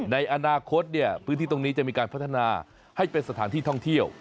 ในอนาคตพื้นที่ตรงนี้จะมีการพัฒนาให้เป็นสถานที่ท่องเที่ยว